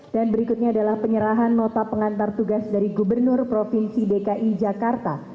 dan berikutnya adalah penyerahan nota pengantar tugas dari gubernur provinsi dki jakarta